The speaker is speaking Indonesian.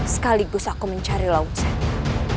sekaligus aku mencari laut saya